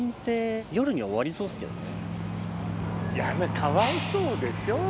かわいそうでしょう。